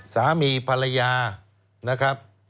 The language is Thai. สามีภรรยานะครับ